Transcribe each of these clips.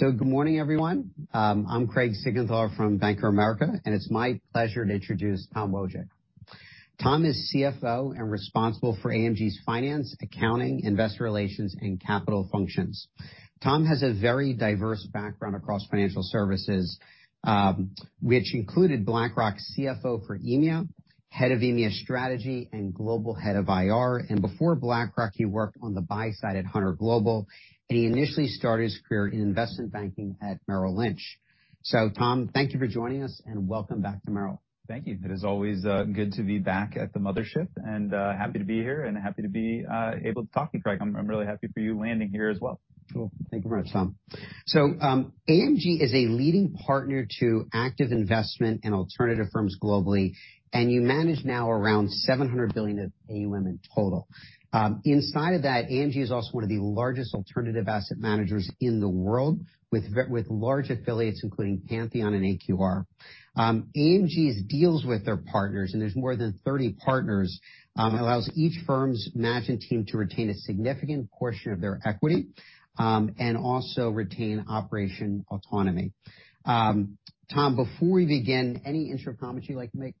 Good morning, everyone. I'm Craig Siegenthaler from Bank of America, and it's my pleasure to introduce Tom Wojcik. Tom is CFO and responsible for AMG's finance, accounting, investor relations, and capital functions. Tom has a very diverse background across financial services, which included BlackRock's CFO for EMEA, head of EMEA Strategy, and Global Head of IR. Before BlackRock, he worked on the buy side at Hunter Global, and he initially started his career in investment banking at Merrill Lynch. Tom, thank you for joining us, and welcome back to Merrill. Thank you. It is always good to be back at the mothership, and happy to be here and happy to be able to talk to you, Craig. I'm really happy for you landing here as well. Cool. Thank you very much, Tom. AMG is a leading partner to active investment in alternative firms globally, and you manage now around $700 billion of AUM in total. Inside of that, AMG is also one of the largest alternative asset managers in the world with large affiliates, including Pantheon and AQR. AMG's deals with their partners, and there's more than 30 partners, allows each firm's management team to retain a significant portion of their equity, and also retain operation autonomy. Tom, before we begin, any intro comments you'd like to make?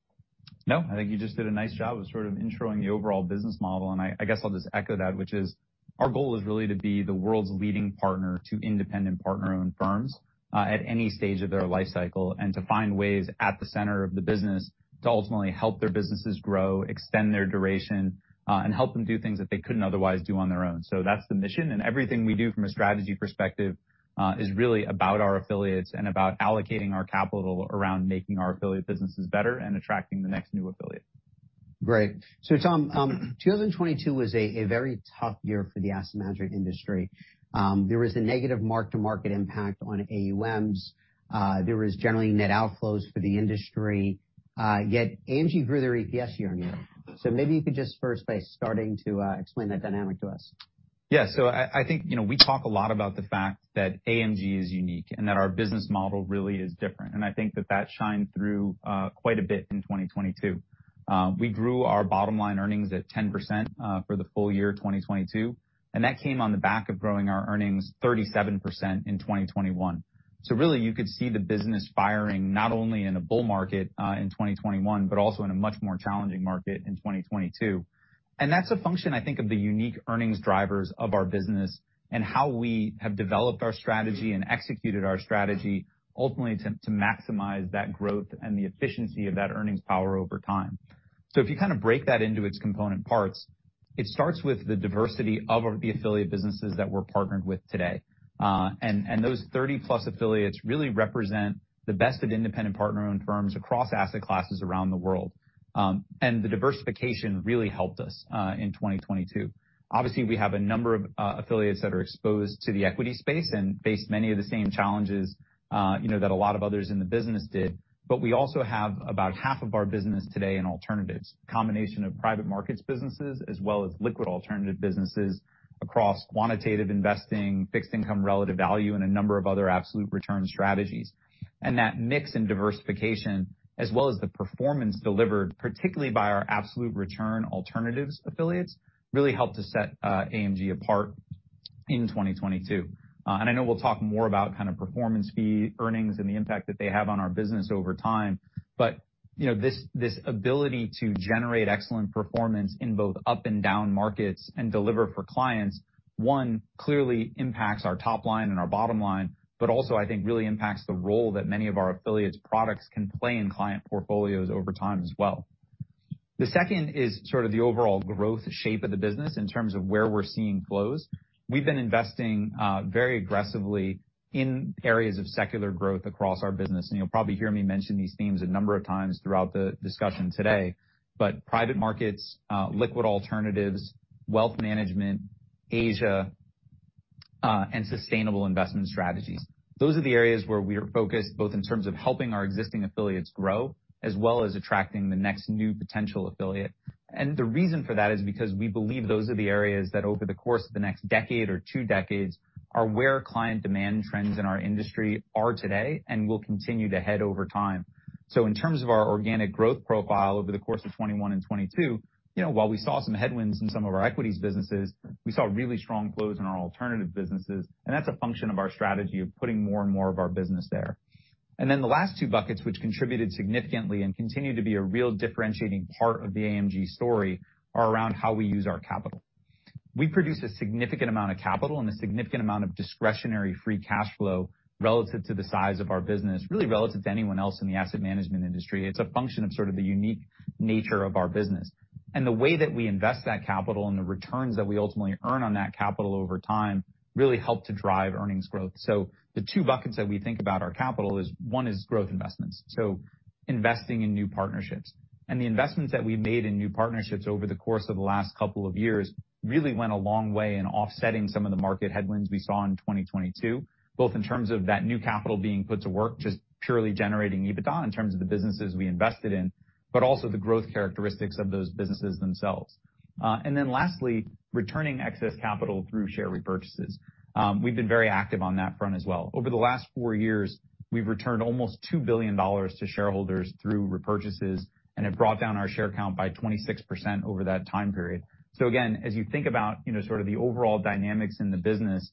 No. I think you just did a nice job of sort of introing the overall business model, and I guess I'll just echo that, which is our goal is really to be the world's leading partner to independent partner-owned firms, at any stage of their life cycle, and to find ways at the center of the business to ultimately help their businesses grow, extend their duration, and help them do things that they couldn't otherwise do on their own. That's the mission. Everything we do from a strategy perspective, is really about our affiliates and about allocating our capital around making our affiliate businesses better and attracting the next new affiliate. Great. Tom, 2022 was a very tough year for the asset management industry. There was a negative mark-to-market impact on AUM. There was generally net outflows for the industry. Yet AMG grew their EPS year-on-year. Maybe you could just first by starting to explain that dynamic to us. I think, you know, we talk a lot about the fact that AMG is unique and that our business model really is different. I think that that shined through quite a bit in 2022. We grew our bottom line earnings at 10% for the full year 2022, that came on the back of growing our earnings 37% in 2021. Really, you could see the business firing not only in a bull market in 2021, but also in a much more challenging market in 2022. That's a function, I think, of the unique earnings drivers of our business and how we have developed our strategy and executed our strategy ultimately to maximize that growth and the efficiency of that earnings power over time. If you kind of break that into its component parts, it starts with the diversity of our the affiliate businesses that we're partnered with today. Those 30-plus affiliates really represent the best of independent partner-owned firms across asset classes around the world. The diversification really helped us in 2022. Obviously, we have a number of affiliates that are exposed to the equity space and face many of the same challenges, you know, that a lot of others in the business did, but we also have about half of our business today in alternatives, combination of private markets businesses as well as liquid alternative businesses across quantitative investing, fixed income, relative value, and a number of other absolute return strategies. That mix and diversification, as well as the performance delivered, particularly by our absolute return alternatives affiliates, really helped to set AMG apart in 2022. I know we'll talk more about kind of performance fee earnings and the impact that they have on our business over time, but, you know, this ability to generate excellent performance in both up and down markets and deliver for clients, one, clearly impacts our top line and our bottom line, but also I think really impacts the role that many of our affiliates' products can play in client portfolios over time as well. The second is sort of the overall growth shape of the business in terms of where we're seeing flows. We've been investing very aggressively in areas of secular growth across our business. You'll probably hear me mention these themes a number of times throughout the discussion today. Private markets, liquid alternatives, wealth management, Asia, and sustainable investment strategies. Those are the areas where we are focused both in terms of helping our existing affiliates grow as well as attracting the next new potential affiliate. The reason for that is because we believe those are the areas that over the course of the next decade or 2 decades are where client demand trends in our industry are today and will continue to head over time. In terms of our organic growth profile over the course of 2021 and 2022, you know, while we saw some headwinds in some of our equities businesses, we saw really strong flows in our alternative businesses, and that's a function of our strategy of putting more and more of our business there. The last two buckets, which contributed significantly and continue to be a real differentiating part of the AMG story, are around how we use our capital. We produce a significant amount of capital and a significant amount of discretionary free cash flow relative to the size of our business, really relative to anyone else in the asset management industry. It's a function of sort of the unique nature of our business. The way that we invest that capital and the returns that we ultimately earn on that capital over time really help to drive earnings growth. The two buckets that we think about our capital is one is growth investments, so investing in new partnerships. The investments that we've made in new partnerships over the course of the last couple of years really went a long way in offsetting some of the market headwinds we saw in 2022, both in terms of that new capital being put to work, just purely generating EBITDA in terms of the businesses we invested in, but also the growth characteristics of those businesses themselves. Lastly, returning excess capital through share repurchases. We've been very active on that front as well. Over the last four years, we've returned almost $2 billion to shareholders through repurchases and have brought down our share count by 26% over that time period. Again, as you think about, you know, sort of the overall dynamics in the business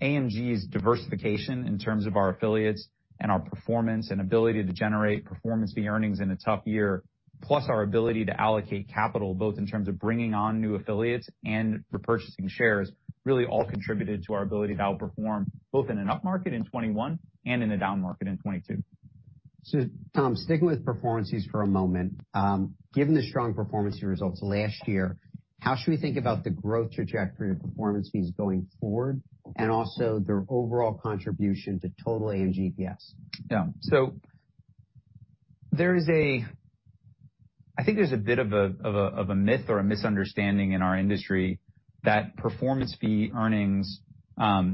AMG's diversification in terms of our affiliates and our performance and ability to generate performance fee earnings in a tough year, plus our ability to allocate capital, both in terms of bringing on new affiliates and repurchasing shares, really all contributed to our ability to outperform both in an upmarket in 2021 and in a down market in 2022. Tom, sticking with performance fees for a moment, given the strong performance fee results last year, how should we think about the growth trajectory of performance fees going forward and also their overall contribution to total AMGPS? Yeah. I think there's a bit of a myth or a misunderstanding in our industry that performance fee earnings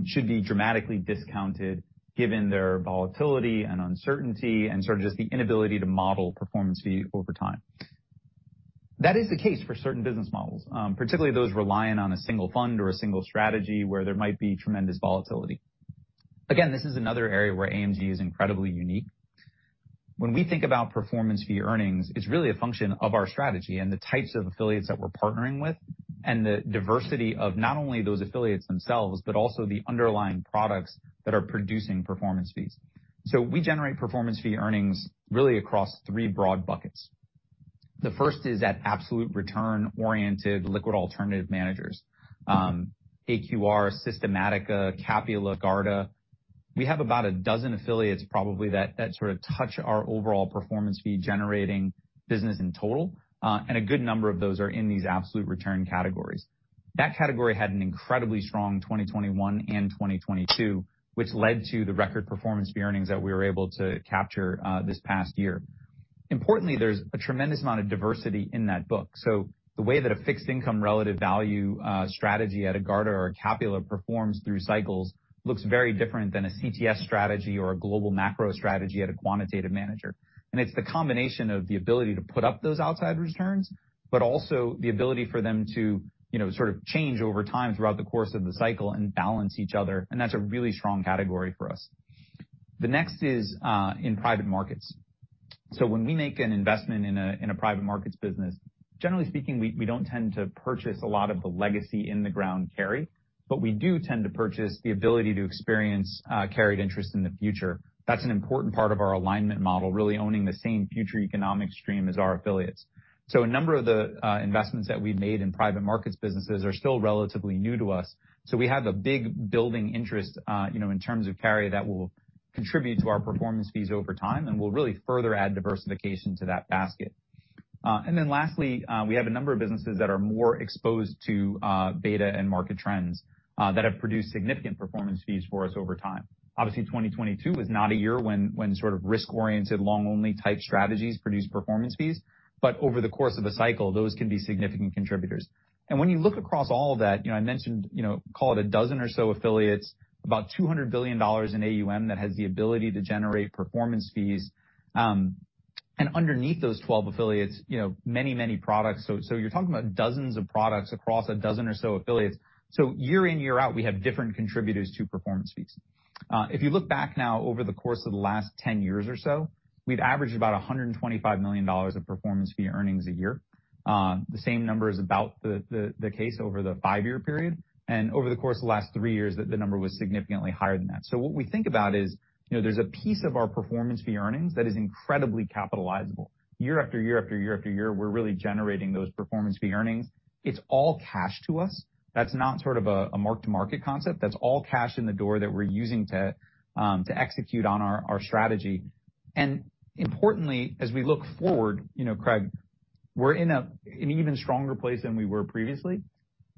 should be dramatically discounted given their volatility and uncertainty and sort of just the inability to model performance fees over time. That is the case for certain business models, particularly those reliant on a single fund or a single strategy where there might be tremendous volatility. Again, this is another area where AMG is incredibly unique. When we think about performance fee earnings, it's really a function of our strategy and the types of affiliates that we're partnering with and the diversity of not only those affiliates themselves, but also the underlying products that are producing performance fees. We generate performance fee earnings really across three broad buckets. The first is that absolute return-oriented liquid alternative managers, AQR, Systematica, Capula, Garda. We have about 12 affiliates probably that sort of touch our overall performance fee generating business in total, and a good number of those are in these absolute return categories. That category had an incredibly strong 2021 and 2022, which led to the record performance fee earnings that we were able to capture this past year. Importantly, there's a tremendous amount of diversity in that book. The way that a fixed income relative value strategy at a Garda or a Capula performs through cycles looks very different than a CTA strategy or a global macro strategy at a quantitative manager. It's the combination of the ability to put up those outside returns, but also the ability for them to, you know, sort of change over time throughout the course of the cycle and balance each other, and that's a really strong category for us. The next is in private markets. When we make an investment in a private markets business, generally speaking, we don't tend to purchase a lot of the legacy in the ground carry, but we do tend to purchase the ability to experience carried interest in the future. That's an important part of our alignment model, really owning the same future economic stream as our affiliates. A number of the investments that we've made in private markets businesses are still relatively new to us. We have a big building interest, you know, in terms of carry that will contribute to our performance fees over time, and we'll really further add diversification to that basket. Lastly, we have a number of businesses that are more exposed to beta and market trends that have produced significant performance fees for us over time. Obviously 2022 was not a year when sort of risk-oriented, long only type strategies produced performance fees, but over the course of a cycle, those can be significant contributors. When you look across all of that, you know, I mentioned, you know, call it a dozen or so affiliates, about $200 billion in AUM that has the ability to generate performance fees, and underneath those 12 affiliates, you know, many, many products. You're talking about dozens of products across a dozen or so affiliates. Year in, year out, we have different contributors to performance fees. If you look back now over the course of the last 10 years or so, we've averaged about $125 million of performance fee earnings a year. The same number is about the case over the five-year period, and over the course of the last three years, the number was significantly higher than that. What we think about is, you know, there's a piece of our performance fee earnings that is incredibly capitalizable. Year after year after year after year, we're really generating those performance fee earnings. It's all cash to us. That's not sort of a mark-to-market concept. That's all cash in the door that we're using to execute on our strategy. Importantly, as we look forward, you know, Craig, we're in a, an even stronger place than we were previously.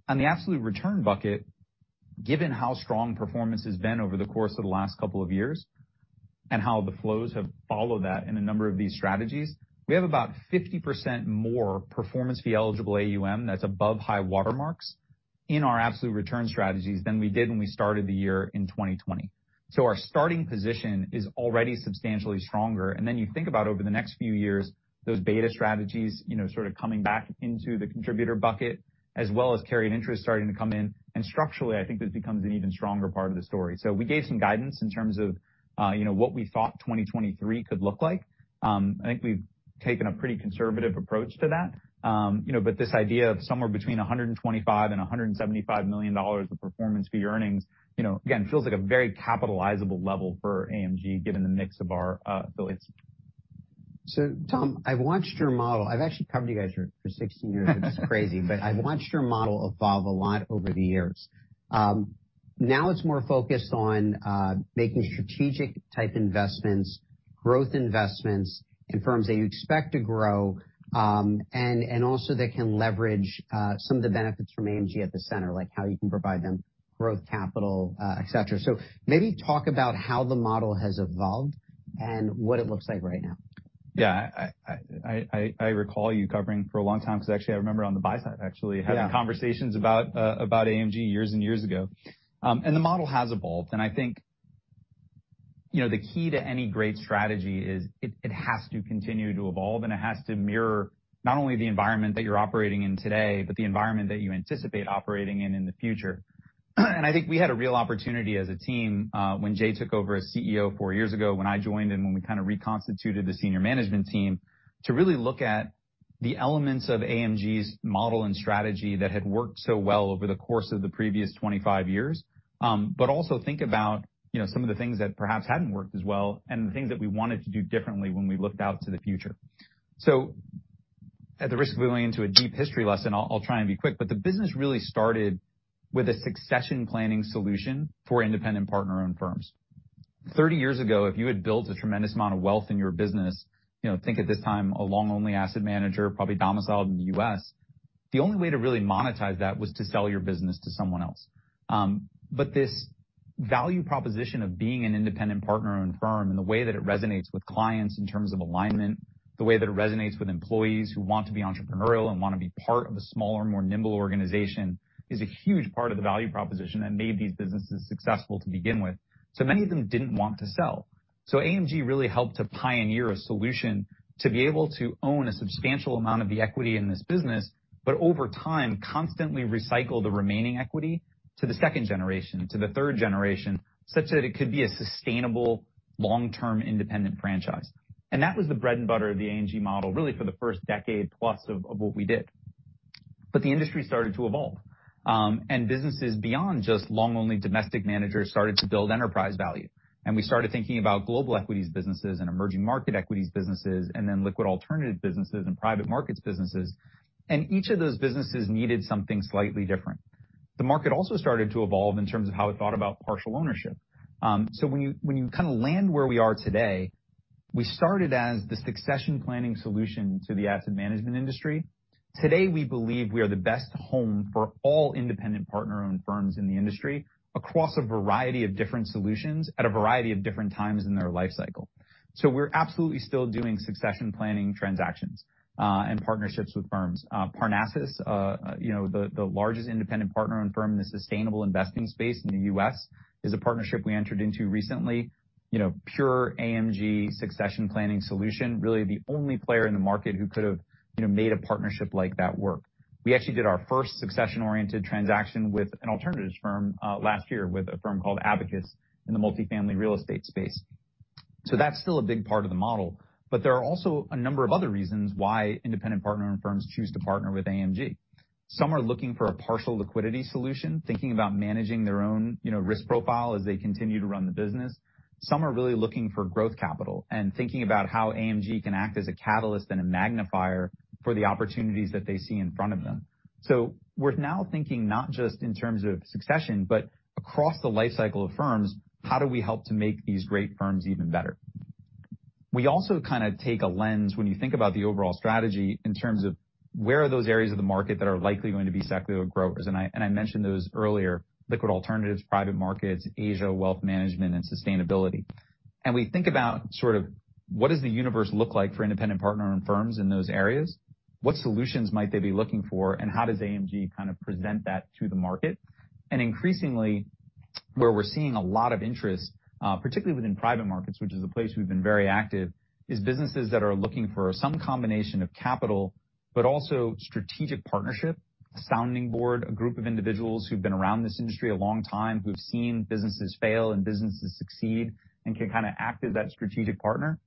On the absolute return bucket, given how strong performance has been over the course of the last couple of years and how the flows have followed that in a number of these strategies, we have about 50% more performance fee eligible AUM that's above high-water marks in our absolute return strategies than we did when we started the year in 2020. Our starting position is already substantially stronger. You think about over the next few years, those beta strategies, you know, sort of coming back into the contributor bucket, as well as carrying interest starting to come in. Structurally, I think this becomes an even stronger part of the story. We gave some guidance in terms of, you know, what we thought 2023 could look like. I think we've taken a pretty conservative approach to that. You know, but this idea of somewhere between $125 million and $175 million of performance fee earnings, you know, again, feels like a very capitalizable level for AMG given the mix of our affiliates. Tom, I've watched your model. I've actually covered you guys for 16 years, which is crazy. I've watched your model evolve a lot over the years. Now it's more focused on making strategic type investments, growth investments in firms that you expect to grow, and also that can leverage some of the benefits from AMG at the center, like how you can provide them growth capital, et cetera. Maybe talk about how the model has evolved and what it looks like right now. Yeah. I recall you covering for a long time because actually I remember on the buy side actually. Yeah. having conversations about AMG years and years ago. The model has evolved. I think, you know, the key to any great strategy is it has to continue to evolve, and it has to mirror not only the environment that you're operating in today, but the environment that you anticipate operating in in the future. I think we had a real opportunity as a team, when Jay took over as CEO 4 years ago, when I joined and when we kind of reconstituted the senior management team to really look at the elements of AMG's model and strategy that had worked so well over the course of the previous 25 years, but also think about, you know, some of the things that perhaps hadn't worked as well, and the things that we wanted to do differently when we looked out to the future. At the risk of going into a deep history lesson, I'll try and be quick, but the business really started with a succession planning solution for independent partner-owned firms. 30 years ago, if you had built a tremendous amount of wealth in your business, you know, think at this time a long-only asset manager, probably domiciled in the U.S., the only way to really monetize that was to sell your business to someone else. This value proposition of being an independent partner in a firm, and the way that it resonates with clients in terms of alignment, the way that it resonates with employees who want to be entrepreneurial and wanna be part of a smaller, more nimble organization, is a huge part of the value proposition that made these businesses successful to begin with. Many of them didn't want to sell. AMG really helped to pioneer a solution to be able to own a substantial amount of the equity in this business, but over time, constantly recycle the remaining equity to the 2nd generation, to the 3rd generation, such that it could be a sustainable long-term independent franchise. That was the bread and butter of the AMG model, really for the 1st decade plus of what we did. The industry started to evolve, and businesses beyond just long-only domestic managers started to build enterprise value. We started thinking about global equities businesses and emerging market equities businesses and then liquid alternative businesses and private markets businesses. Each of those businesses needed something slightly different. The market also started to evolve in terms of how it thought about partial ownership. When you, when you kinda land where we are today, we started as the succession planning solution to the asset management industry. Today, we believe we are the best home for all independent partner-owned firms in the industry across a variety of different solutions at a variety of different times in their life cycle. We're absolutely still doing succession planning transactions and partnerships with firms. Parnassus, you know, the largest independent partner and firm in the sustainable investing space in the U.S., is a partnership we entered into recently. You know, pure AMG succession planning solution, really the only player in the market who could, you know, made a partnership like that work. We actually did our first succession-oriented transaction with an alternatives firm last year with a firm called Abacus in the multifamily real estate space. That's still a big part of the model, but there are also a number of other reasons why independent partner-owned firms choose to partner with AMG. Some are looking for a partial liquidity solution, thinking about managing their own, you know, risk profile as they continue to run the business. Some are really looking for growth capital and thinking about how AMG can act as a catalyst and a magnifier for the opportunities that they see in front of them. We're now thinking not just in terms of succession, but across the life cycle of firms, how do we help to make these great firms even better? We also kinda take a lens when you think about the overall strategy in terms of where are those areas of the market that are likely going to be secular growers. I mentioned those earlier, liquid alternatives, private markets, Asia wealth management, and sustainability. We think about sort of what does the universe look like for independent partner-owned firms in those areas? What solutions might they be looking for, and how does AMG kind of present that to the market? Increasingly, where we're seeing a lot of interest, particularly within private markets, which is a place we've been very active, is businesses that are looking for some combination of capital, but also strategic partnership, a sounding board, a group of individuals who've been around this industry a long time who've seen businesses fail and businesses succeed and can kinda act as that strategic partner.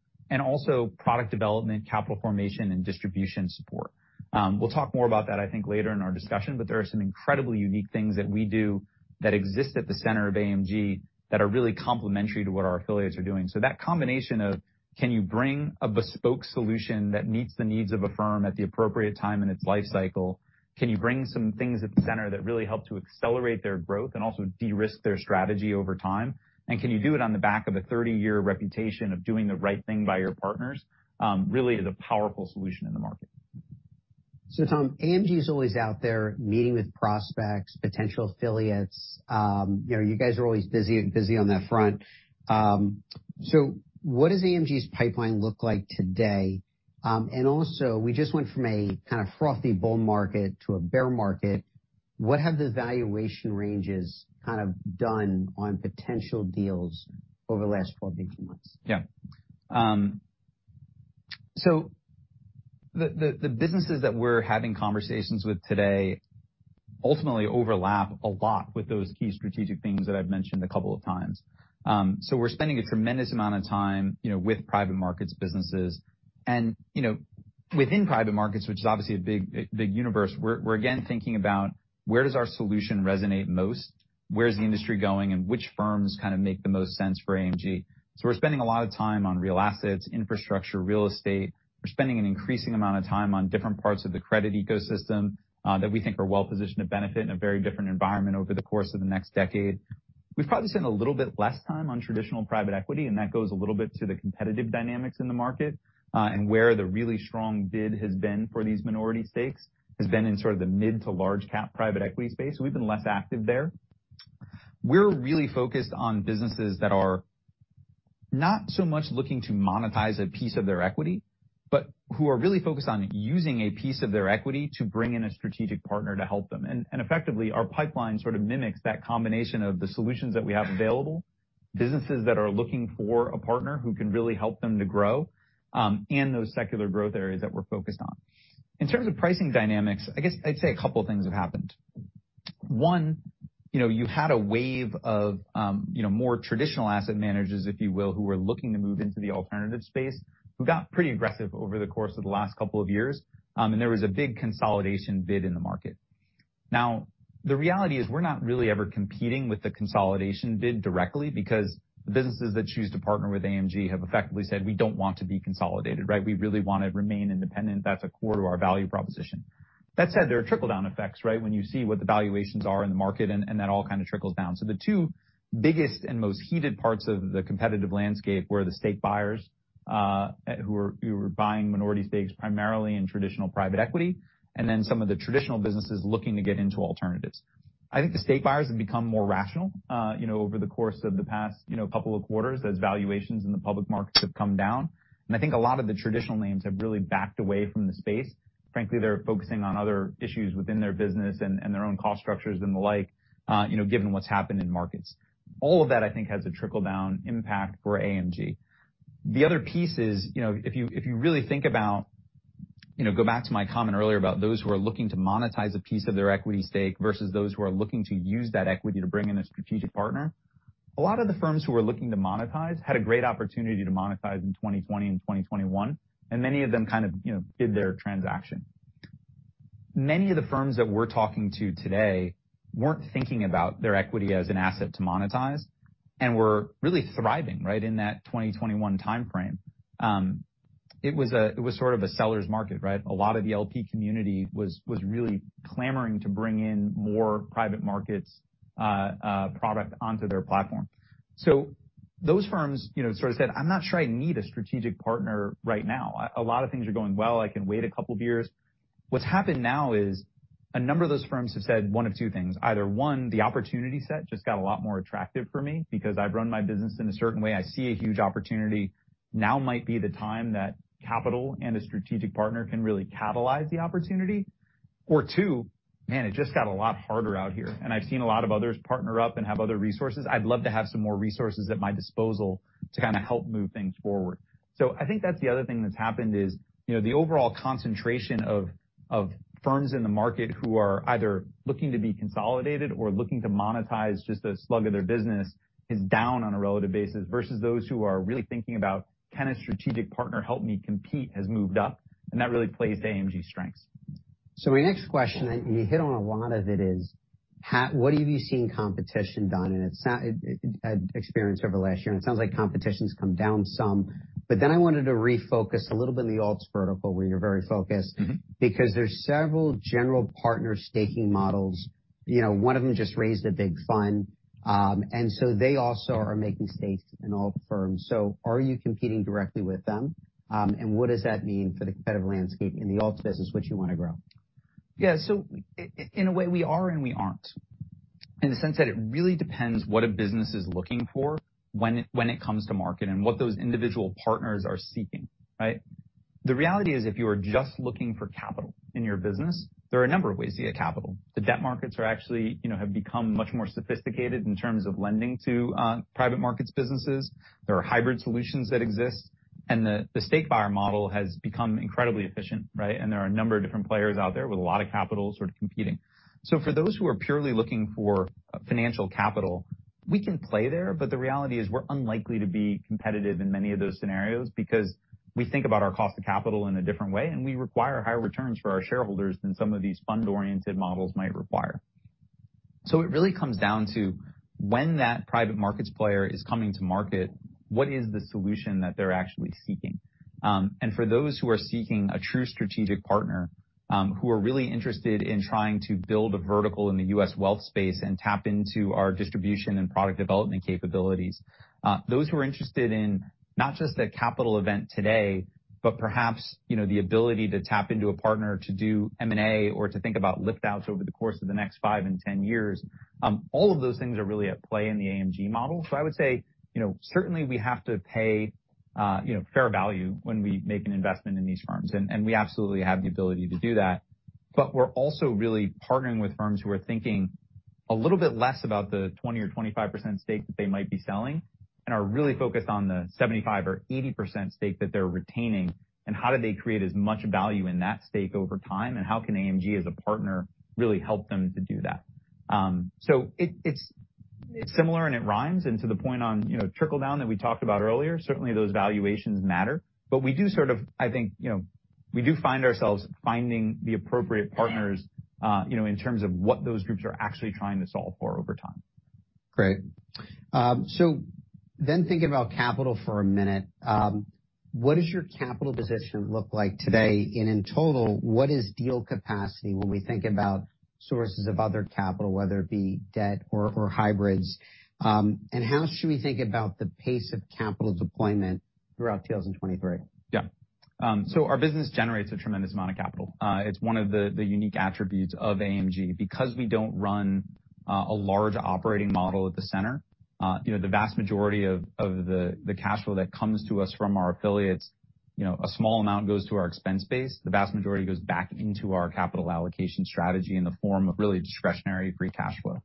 Also product development, capital formation, and distribution support. We'll talk more about that, I think, later in our discussion, but there are some incredibly unique things that we do that exist at the center of AMG that are really complementary to what our affiliates are doing. That combination of, can you bring a bespoke solution that meets the needs of a firm at the appropriate time in its life cycle? Can you bring some things at the center that really help to accelerate their growth and also de-risk their strategy over time? Can you do it on the back of a 30-year reputation of doing the right thing by your partners, really is a powerful solution in the market. Tom, AMG is always out there meeting with prospects, potential affiliates. You know, you guys are always busy on that front. What does AMG's pipeline look like today? We just went from a kinda frothy bull market to a bear market. What have the valuation ranges kind of done on potential deals over the last 12-18 months? Yeah. The, the businesses that we're having conversations with today ultimately overlap a lot with those key strategic things that I've mentioned a couple of times. We're spending a tremendous amount of time, you know, with private markets businesses. You know, within private markets, which is obviously a big universe, we're again thinking about where does our solution resonate most? Where's the industry going and which firms kind of make the most sense for AMG? We're spending a lot of time on real assets, infrastructure, real estate. We're spending an increasing amount of time on different parts of the credit ecosystem that we think are well positioned to benefit in a very different environment over the course of the next decade. We've probably spent a little bit less time on traditional private equity, and that goes a little bit to the competitive dynamics in the market, and where the really strong bid has been for these minority stakes has been in sort of the mid to large cap private equity space. We've been less active there. We're really focused on businesses that are not so much looking to monetize a piece of their equity, but who are really focused on using a piece of their equity to bring in a strategic partner to help them. Effectively, our pipeline sort of mimics that combination of the solutions that we have available, businesses that are looking for a partner who can really help them to grow, and those secular growth areas that we're focused on. In terms of pricing dynamics, I guess I'd say a couple of things have happened. One, you know, you had a wave of, you know, more traditional asset managers, if you will, who were looking to move into the alternative space, who got pretty aggressive over the course of the last couple of years. There was a big consolidation bid in the market. Now, the reality is we're not really ever competing with the consolidation bid directly because the businesses that choose to partner with AMG have effectively said, "We don't want to be consolidated," right? We really wanna remain independent. That's a core to our value proposition. That said, there are trickle-down effects, right? When you see what the valuations are in the market, and that all kind of trickles down. The two biggest and most heated parts of the competitive landscape were the state buyers, who were buying minority stakes primarily in traditional private equity, and then some of the traditional businesses looking to get into alternatives. I think the state buyers have become more rational, you know, over the course of the past, you know, couple of quarters as valuations in the public markets have come down. I think a lot of the traditional names have really backed away from the space. Frankly, they're focusing on other issues within their business and their own cost structures and the like, you know, given what's happened in markets. All of that, I think, has a trickle-down impact for AMG. The other piece is, you know, if you really think about, you know, go back to my comment earlier about those who are looking to monetize a piece of their equity stake versus those who are looking to use that equity to bring in a strategic partner. A lot of the firms who are looking to monetize had a great opportunity to monetize in 2020 and 2021, and many of them kind of, you know, did their transaction. Many of the firms that we're talking to today weren't thinking about their equity as an asset to monetize and were really thriving, right, in that 2021 timeframe. It was sort of a seller's market, right? A lot of the LP community was really clamoring to bring in more private markets product onto their platform. Those firms, you know, sort of said, "I'm not sure I need a strategic partner right now. A lot of things are going well. I can wait 2 years." What's happened now is a number of those firms have said 1 of 2 things. Either, 1, the opportunity set just got a lot more attractive for me because I've run my business in a certain way. I see a huge opportunity. Now might be the time that capital and a strategic partner can really catalyze the opportunity. 2, man, it just got a lot harder out here, and I've seen a lot of others partner up and have other resources. I'd love to have some more resources at my disposal to kinda help move things forward. I think that's the other thing that's happened is, you know, the overall concentration of firms in the market who are either looking to be consolidated or looking to monetize just a slug of their business is down on a relative basis versus those who are really thinking about, can a strategic partner help me compete, has moved up, and that really plays to AMG's strengths. My next question, you hit on a lot of it, is what have you seen competition done? It sounds like competition's come down some. I wanted to refocus a little bit in the alts vertical where you're very focused. Mm-hmm. Because there's several general partner staking models. You know, one of them just raised a big fund, and so they also are making stakes in alt firms. Are you competing directly with them? What does that mean for the competitive landscape in the alts business, which you wanna grow? Yeah. In a way we are and we aren't. In the sense that it really depends what a business is looking for when it comes to market and what those individual partners are seeking, right? The reality is, if you are just looking for capital in your business, there are a number of ways to get capital. The debt markets are actually, you know, have become much more sophisticated in terms of lending to private markets businesses. There are hybrid solutions that exist, and the stake buyer model has become incredibly efficient, right? There are a number of different players out there with a lot of capital sort of competing. For those who are purely looking for financial capital, we can play there, but the reality is we're unlikely to be competitive in many of those scenarios because we think about our cost of capital in a different way, and we require higher returns for our shareholders than some of these fund-oriented models might require. It really comes down to when that private markets player is coming to market, what is the solution that they're actually seeking? For those who are seeking a true strategic partner, who are really interested in trying to build a vertical in the U.S. wealth space and tap into our distribution and product development capabilities, those who are interested in not just a capital event today, but perhaps, you know, the ability to tap into a partner to do M&A or to think about lift outs over the course of the next 5 and 10 years, all of those things are really at play in the AMG model. I would say, you know, certainly we have to pay, you know, fair value when we make an investment in these firms, and we absolutely have the ability to do that. We're also really partnering with firms who are thinking a little bit less about the 20% or 25% stake that they might be selling and are really focused on the 75% or 80% stake that they're retaining, and how do they create as much value in that stake over time, and how can AMG as a partner really help them to do that? It's similar and it rhymes. To the point on, you know, trickle down that we talked about earlier, certainly those valuations matter. We do sort of, I think, you know, we do find ourselves finding the appropriate partners, you know, in terms of what those groups are actually trying to solve for over time. Great. Thinking about capital for a minute, what does your capital position look like today? In total, what is deal capacity when we think about sources of other capital, whether it be debt or hybrids? How should we think about the pace of capital deployment throughout 2023? Yeah. Our business generates a tremendous amount of capital. It's one of the unique attributes of AMG. Because we don't run a large operating model at the center, you know, the vast majority of the cash flow that comes to us from our affiliates, you know, a small amount goes to our expense base. The vast majority goes back into our capital allocation strategy in the form of really discretionary free cash flow.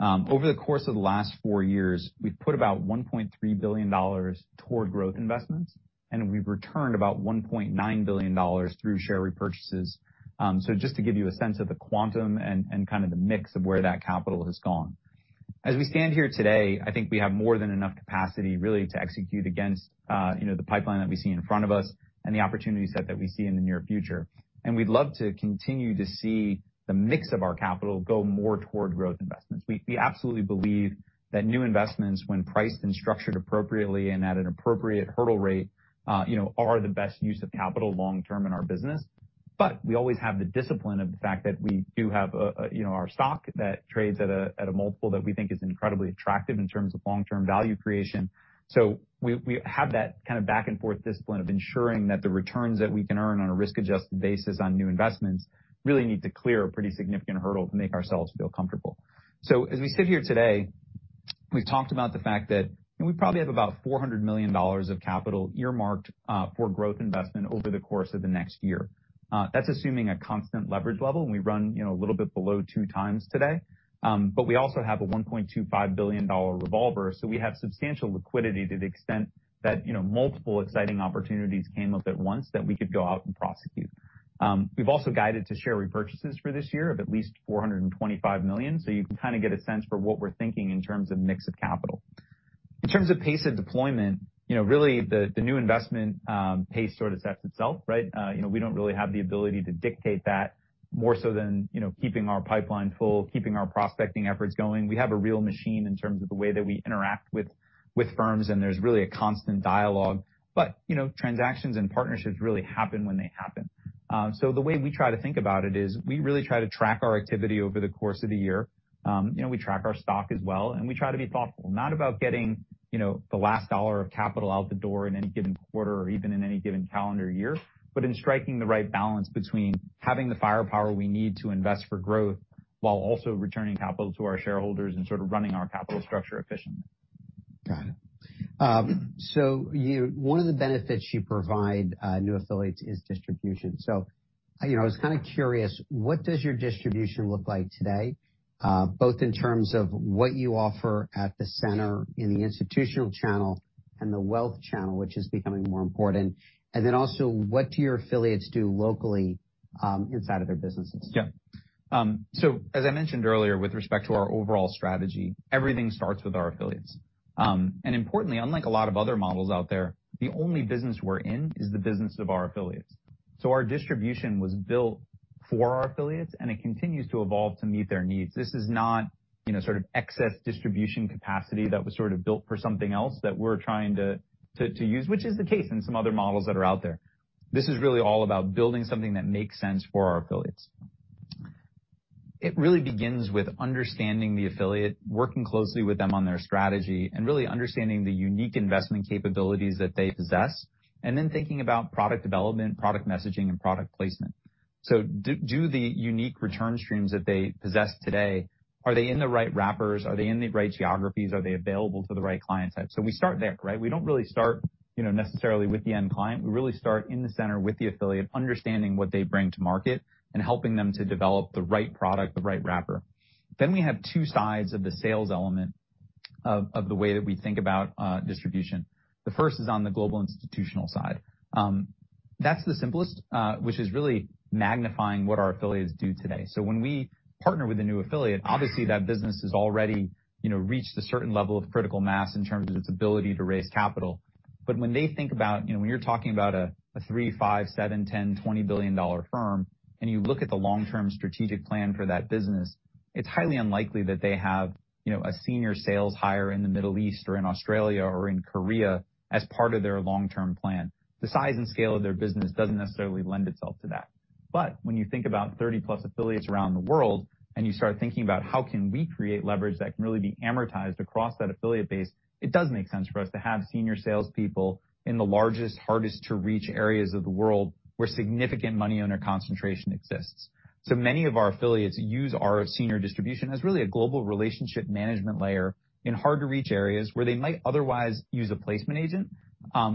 Over the course of the last four years, we've put about $1.3 billion toward growth investments, and we've returned about $1.9 billion through share repurchases. Just to give you a sense of the quantum and kind of the mix of where that capital has gone. As we stand here today, I think we have more than enough capacity really to execute against, you know, the pipeline that we see in front of us and the opportunity set that we see in the near future. We'd love to continue to see the mix of our capital go more toward growth investments. We absolutely believe that new investments when priced and structured appropriately and at an appropriate hurdle rate, you know, are the best use of capital long-term in our business. We always have the discipline of the fact that we do have, you know, our stock that trades at a multiple that we think is incredibly attractive in terms of long-term value creation. We have that kind of back and forth discipline of ensuring that the returns that we can earn on a risk-adjusted basis on new investments really need to clear a pretty significant hurdle to make ourselves feel comfortable. As we sit here today, we've talked about the fact that we probably have about $400 million of capital earmarked for growth investment over the course of the next year. That's assuming a constant leverage level, and we run, you know, a little bit below 2 times today. We also have a $1.25 billion revolver, so we have substantial liquidity to the extent that, you know, multiple exciting opportunities came up at once that we could go out and prosecute. We've also guided to share repurchases for this year of at least $425 million, so you can kind of get a sense for what we're thinking in terms of mix of capital. In terms of pace of deployment, you know, really, the new investment pace sort of sets itself, right? You know, we don't really have the ability to dictate that more so than, you know, keeping our pipeline full, keeping our prospecting efforts going. We have a real machine in terms of the way that we interact with firms, and there's really a constant dialogue. You know, transactions and partnerships really happen when they happen. The way we try to think about it is we really try to track our activity over the course of the year. You know, we track our stock as well, and we try to be thoughtful, not about getting, you know, the last dollar of capital out the door in any given quarter or even in any given calendar year, but in striking the right balance between having the firepower we need to invest for growth while also returning capital to our shareholders and sort of running our capital structure efficiently. Got it. One of the benefits you provide new affiliates is distribution. You know, I was kinda curious, what does your distribution look like today, both in terms of what you offer at the center in the institutional channel and the wealth channel, which is becoming more important, and then also what do your affiliates do locally, inside of their businesses? Yeah. As I mentioned earlier, with respect to our overall strategy, everything starts with our affiliates. Importantly, unlike a lot of other models out there, the only business we're in is the business of our affiliates. Our distribution was built for our affiliates, and it continues to evolve to meet their needs. This is not, you know, sort of excess distribution capacity that was sort of built for something else that we're trying to use, which is the case in some other models that are out there. This is really all about building something that makes sense for our affiliates. It really begins with understanding the affiliate, working closely with them on their strategy, and really understanding the unique investment capabilities that they possess, and then thinking about product development, product messaging, and product placement. Do the unique return streams that they possess today, are they in the right wrappers? Are they in the right geographies? Are they available to the right client type? We start there, right? We don't really start, you know, necessarily with the end client. We really start in the center with the affiliate, understanding what they bring to market and helping them to develop the right product, the right wrapper. We have two sides of the sales element of the way that we think about distribution. The first is on the global institutional side. That's the simplest, which is really magnifying what our affiliates do today. When we partner with a new affiliate, obviously that business has already, you know, reached a certain level of critical mass in terms of its ability to raise capital. When they think about, you know, when you're talking about a 3, 5, 7, 10, 20 billion-dollar firm, and you look at the long-term strategic plan for that business, it's highly unlikely that they have, you know, a senior sales hire in the Middle East or in Australia or in Korea as part of their long-term plan. The size and scale of their business doesn't necessarily lend itself to that. When you think about 30-plus affiliates around the world, and you start thinking about how can we create leverage that can really be amortized across that affiliate base, it does make sense for us to have senior salespeople in the largest, hardest to reach areas of the world where significant money owner concentration exists. Many of our affiliates use our senior distribution as really a global relationship management layer in hard to reach areas where they might otherwise use a placement agent,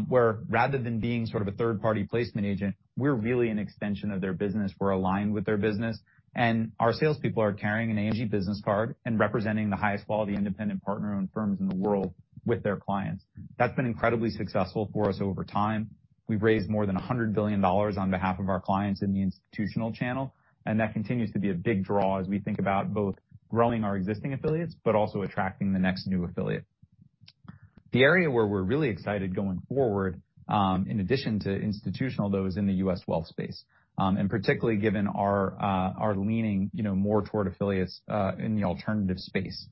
where rather than being sort of a third-party placement agent, we're really an extension of their business. We're aligned with their business. Our salespeople are carrying an AMG business card and representing the highest quality independent partner-owned firms in the world with their clients. That's been incredibly successful for us over time. We've raised more than $100 billion on behalf of our clients in the institutional channel. That continues to be a big draw as we think about both growing our existing affiliates, but also attracting the next new affiliate. The area where we're really excited going forward, in addition to institutional, though, is in the U.S. wealth space, and particularly given our leaning more toward affiliates in the alternative space.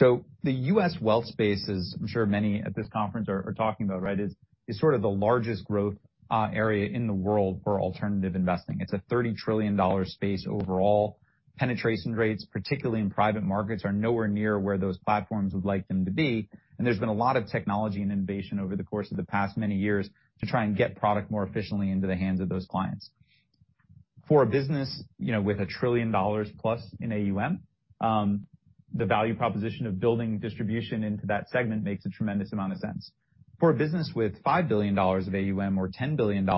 The U.S. wealth space is, I'm sure many at this conference are talking about, right, is sort of the largest growth area in the world for alternative investing. It's a $30 trillion space overall. Penetration rates, particularly in private markets, are nowhere near where those platforms would like them to be, and there's been a lot of technology and innovation over the course of the past many years to try and get product more efficiently into the hands of those clients. For a business, you know, with a $1 trillion plus in AUM, the value proposition of building distribution into that segment makes a tremendous amount of sense. For a business with $5 billion of AUM or $10 billion,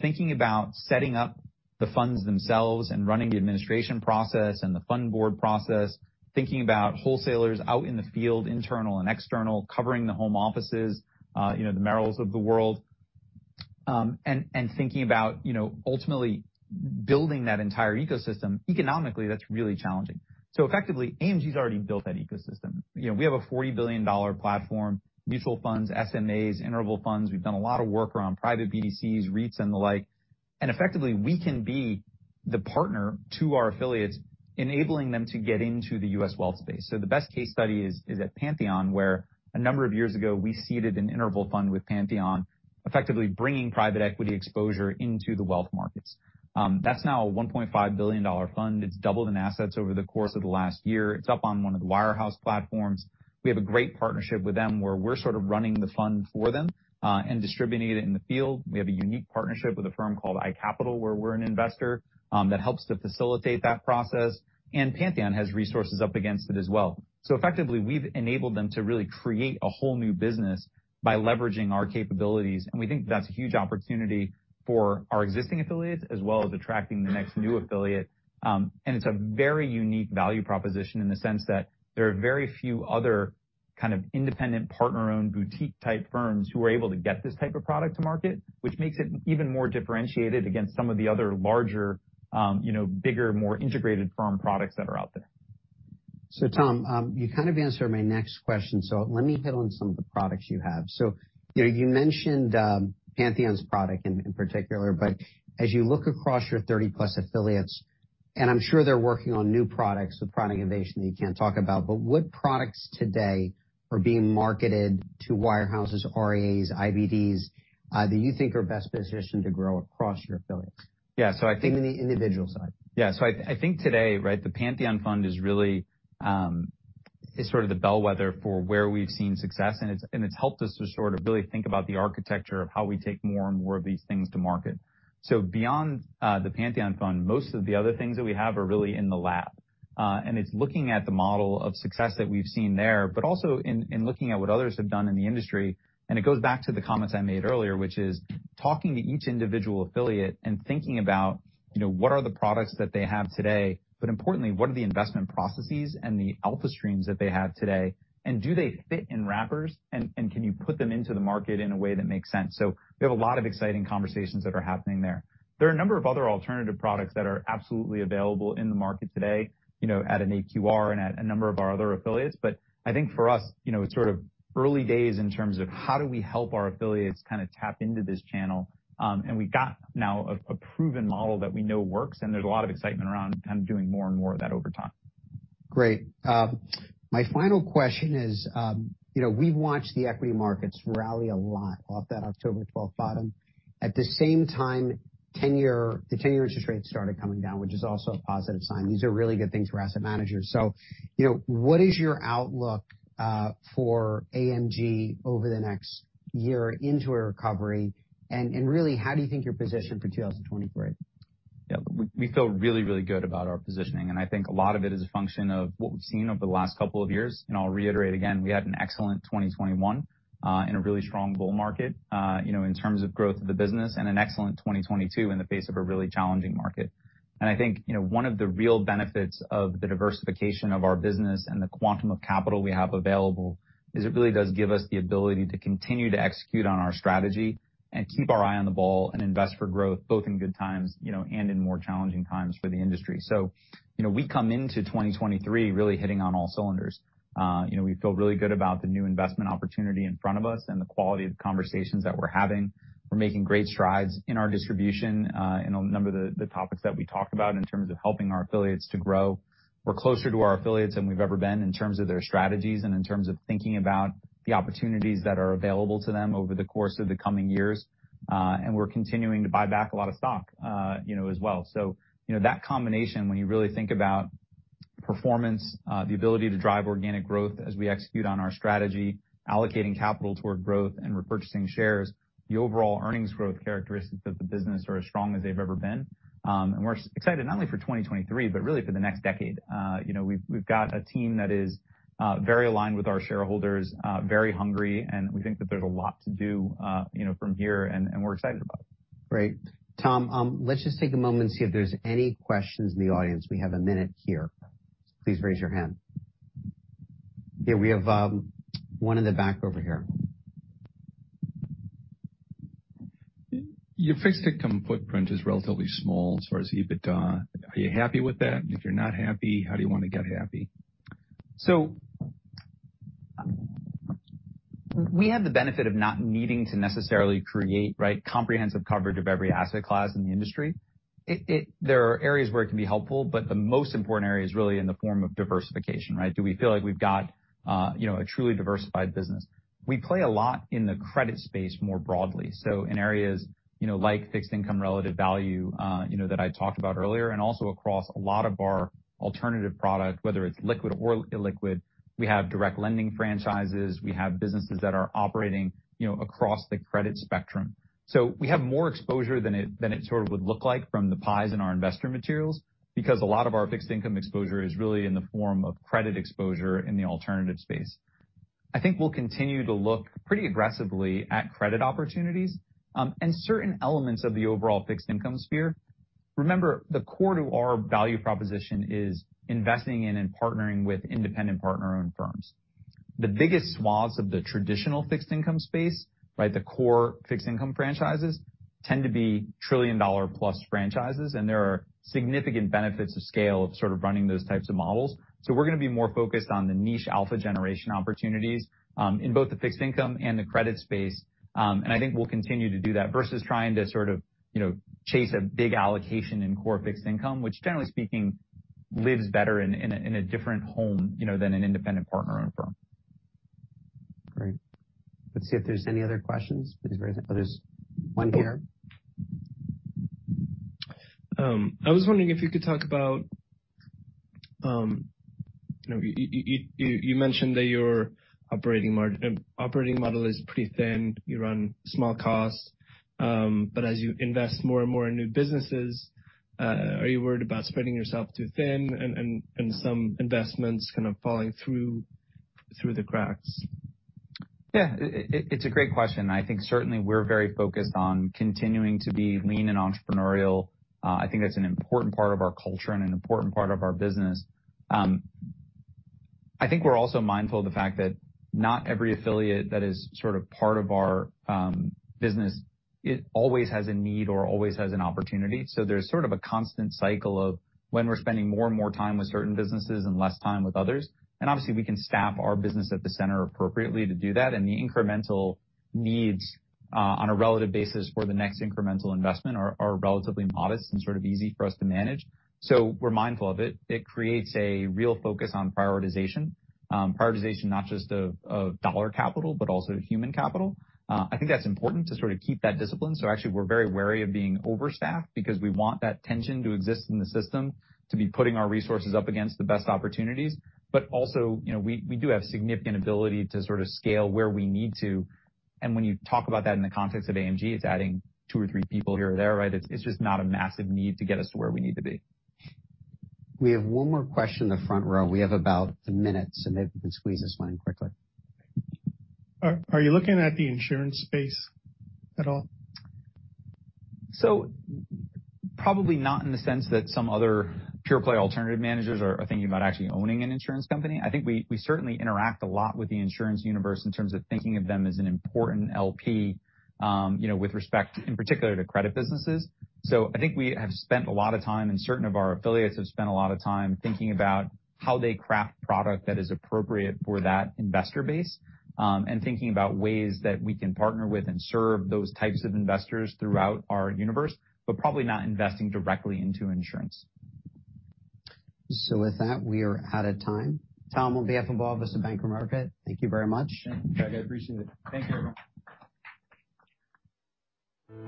thinking about setting up the funds themselves and running the administration process and the fund board process, thinking about wholesalers out in the field, internal and external, covering the home offices, you know, the Merrills of the world, and thinking about, you know, ultimately building that entire ecosystem. Economically, that's really challenging. Effectively, AMG's already built that ecosystem. You know, we have a $40 billion platform, mutual funds, SMAs, interval funds. We've done a lot of work around private BDCs, REITs, and the like. Effectively, we can be the partner to our affiliates, enabling them to get into the U.S. wealth space. The best case study is at Pantheon, where a number of years ago, we seeded an interval fund with Pantheon, effectively bringing private equity exposure into the wealth markets. That's now a $1.5 billion fund. It's doubled in assets over the course of the last year. It's up on one of the wirehouse platforms. We have a great partnership with them where we're sort of running the fund for them and distributing it in the field. We have a unique partnership with a firm called iCapital, where we're an investor that helps to facilitate that process. Pantheon has resources up against it as well. Effectively, we've enabled them to really create a whole new business by leveraging our capabilities. We think that's a huge opportunity for our existing affiliates, as well as attracting the next new affiliate. It's a very unique value proposition in the sense that there are very few other kind of independent partner-owned boutique-type firms who are able to get this type of product to market, which makes it even more differentiated against some of the other larger, bigger, more integrated firm products that are out there. Tom, you kind of answered my next question, so let me hit on some of the products you have. You know, you mentioned Pantheon's product in particular, but as you look across your 30-plus affiliates, and I'm sure they're working on new products with product innovation that you can't talk about, but what products today are being marketed to wirehouses, RIAs, IBDs, that you think are best positioned to grow across your affiliates? Yeah. Think in the individual side. Yeah. I think today, right, the Pantheon fund is really, is sort of the bellwether for where we've seen success, and it's helped us to sort of really think about the architecture of how we take more and more of these things to market. Beyond the Pantheon fund, most of the other things that we have are really in the lab. And it's looking at the model of success that we've seen there, but also in looking at what others have done in the industry. It goes back to the comments I made earlier, which is talking to each individual affiliate and thinking about, you know, what are the products that they have today, but importantly, what are the investment processes and the alpha streams that they have today, and do they fit in wrappers, and can you put them into the market in a way that makes sense? We have a lot of exciting conversations that are happening there. There are a number of other alternative products that are absolutely available in the market today, you know, at an AQR and at a number of our other affiliates. I think for us, you know, it's sort of early days in terms of how do we help our affiliates kinda tap into this channel. We've got now a proven model that we know works, and there's a lot of excitement around kind of doing more and more of that over time. Great. My final question is, you know, we've watched the equity markets rally a lot off that October 12th bottom. At the same time, 10-year, the 10-year interest rates started coming down, which is also a positive sign. These are really good things for asset managers. You know, what is your outlook for AMG over the next year into a recovery? Really, how do you think you're positioned for 2023? Yeah. We feel really, really good about our positioning, and I think a lot of it is a function of what we've seen over the last couple of years. I'll reiterate again, we had an excellent 2021, in a really strong bull market, you know, in terms of growth of the business and an excellent 2022 in the face of a really challenging market. I think, you know, one of the real benefits of the diversification of our business and the quantum of capital we have available is it really does give us the ability to continue to execute on our strategy and keep our eye on the ball and invest for growth, both in good times, you know, and in more challenging times for the industry. You know, we come into 2023 really hitting on all cylinders. You know, we feel really good about the new investment opportunity in front of us and the quality of the conversations that we're having. We're making great strides in our distribution, in a number of the topics that we talked about in terms of helping our affiliates to grow. We're closer to our affiliates than we've ever been in terms of their strategies and in terms of thinking about the opportunities that are available to them over the course of the coming years. We're continuing to buy back a lot of stock, you know, as well. You know, that combination, when you really think about performance, the ability to drive organic growth as we execute on our strategy, allocating capital toward growth and repurchasing shares, the overall earnings growth characteristics of the business are as strong as they've ever been. We're excited not only for 2023, but really for the next decade. You know, we've got a team that is very aligned with our shareholders, very hungry, and we think that there's a lot to do, you know, from here, and we're excited about it. Great. Tom, let's just take a moment and see if there's any questions in the audience. We have a minute here. Please raise your hand. Yeah, we have 1 in the back over here. Your fixed income footprint is relatively small as far as EBITDA. Are you happy with that? If you're not happy, how do you want to get happy? We have the benefit of not needing to necessarily create, right, comprehensive coverage of every asset class in the industry. There are areas where it can be helpful, but the most important area is really in the form of diversification, right? Do we feel like we've got, you know, a truly diversified business? We play a lot in the credit space more broadly, so in areas, you know, like fixed income, relative value, you know, that I talked about earlier, and also across a lot of our alternative product, whether it's liquid or illiquid. We have direct lending franchises. We have businesses that are operating, you know, across the credit spectrum. We have more exposure than it, than it sort of would look like from the pies in our investor materials, because a lot of our fixed income exposure is really in the form of credit exposure in the alternative space. I think we'll continue to look pretty aggressively at credit opportunities, and certain elements of the overall fixed income sphere. Remember, the core to our value proposition is investing in and partnering with independent partner-owned firms. The biggest swaths of the traditional fixed income space, right, the core fixed income franchises tend to be $1 trillion plus franchises, and there are significant benefits of scale of sort of running those types of models. We're gonna be more focused on the niche alpha generation opportunities, in both the fixed income and the credit space. I think we'll continue to do that versus trying to sort of, you know, chase a big allocation in core fixed income, which generally speaking, lives better in a, in a different home, you know, than an independent partner-owned firm. Great. Let's see if there's any other questions. Oh, there's one here. I was wondering if you could talk about, you know, you mentioned that your operating model is pretty thin. You run small costs. As you invest more and more in new businesses, are you worried about spreading yourself too thin and some investments kind of falling through the cracks? Yeah. It's a great question, and I think certainly we're very focused on continuing to be lean and entrepreneurial. I think that's an important part of our culture and an important part of our business. I think we're also mindful of the fact that not every affiliate that is sort of part of our business always has a need or always has an opportunity. There's sort of a constant cycle of when we're spending more and more time with certain businesses and less time with others. Obviously, we can staff our business at the center appropriately to do that. The incremental needs on a relative basis for the next incremental investment are relatively modest and sort of easy for us to manage. We're mindful of it. It creates a real focus on prioritization. Prioritization not just of dollar capital, but also human capital. I think that's important to sort of keep that discipline. Actually, we're very wary of being overstaffed because we want that tension to exist in the system, to be putting our resources up against the best opportunities. Also, you know, we do have significant ability to sort of scale where we need to. When you talk about that in the context of AMG, it's adding two or three people here or there, right? It's just not a massive need to get us to where we need to be. We have one more question in the front row. We have about a minute, so maybe we can squeeze this one in quickly. Are you looking at the insurance space at all? Probably not in the sense that some other pure play alternative managers are thinking about actually owning an insurance company. I think we certainly interact a lot with the insurance universe in terms of thinking of them as an important LP, you know, with respect in particular to credit businesses. I think we have spent a lot of time, and certain of our affiliates have spent a lot of time thinking about how they craft product that is appropriate for that investor base, and thinking about ways that we can partner with and serve those types of investors throughout our universe, but probably not investing directly into insurance. With that, we are out of time. Tom Wambath from Willis and Banker Market, thank you very much. Thank you. I appreciate it. Thank you, everyone.